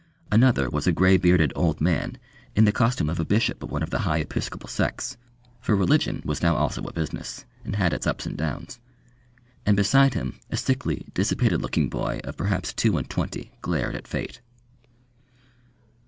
Another was a grey bearded old man in the costume of a bishop of one of the high episcopal sects for religion was now also a business, and had its ups and downs. And beside him a sickly, dissipated looking boy of perhaps two and twenty glared at Fate.